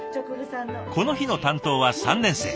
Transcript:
この日の担当は３年生。